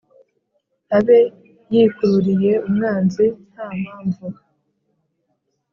abe yikururiye umwanzi nta mpamvu,